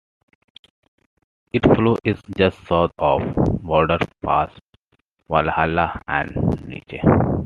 It flows east, just south of the border, past Walhalla and Neche.